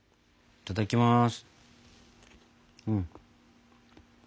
いただきます。